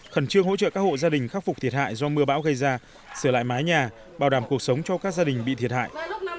khẩn trương hỗ trợ các hộ gia đình khắc phục thiệt hại do mưa bão gây ra sửa lại mái nhà bảo đảm cuộc sống cho các gia đình bị thiệt hại